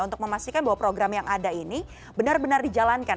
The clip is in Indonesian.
untuk memastikan bahwa program yang ada ini benar benar dijalankan